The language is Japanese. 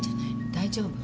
大丈夫？